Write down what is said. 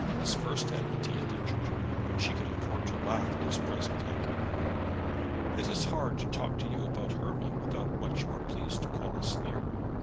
His first enmity had injured her, but she could afford to laugh at his present anger. "It is hard to talk to you about Hermy without what you are pleased to call a sneer.